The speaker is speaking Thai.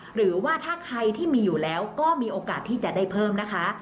หรือว่าถ้าใครที่มีอยู่แล้วก็มีโอกาสที่จะได้เพิ่มนะคะ